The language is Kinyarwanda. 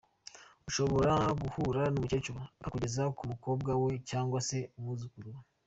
Ushobora guhura n’ umukecuru akakugeza ku mukobwa we cyangwa se umwuzukuru we.